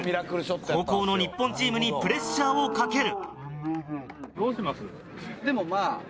後攻の日本チームにプレッシャーをかける。